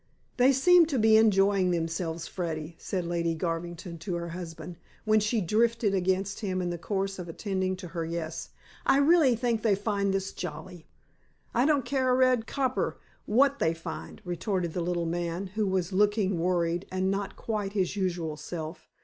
"They seem to be enjoying themselves, Freddy," said Lady Garvington to her husband, when she drifted against him in the course of attending to her guests. "I really think they find this jolly." "I don't care a red copper what they find," retorted the little man, who was looking worried, and not quite his usual self.